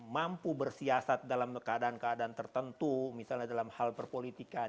mampu bersiasat dalam keadaan keadaan tertentu misalnya dalam hal perpolitikan